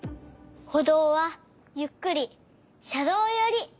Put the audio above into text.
ほどうはゆっくりしゃどうより。